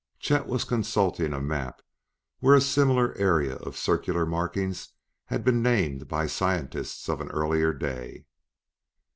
Chet was consulting a map where a similar area of circular markings had been named by scientists of an earlier day.